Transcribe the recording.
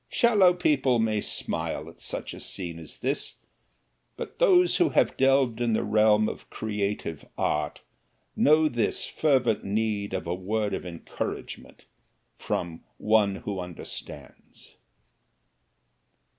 Shallow people may smile at such a scene as this, but those who have delved in the realm of creative art know this fervent need of a word of encouragement from One who Understands.